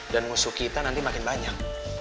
dan musuh kita nanti makin banyak